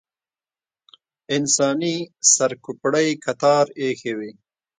انساني سر کوپړۍ کتار ایښې وې.